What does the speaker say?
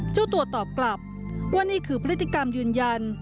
เจ้าตัวตอบกลับว่านี่คือพฤติกรรมยืนยัน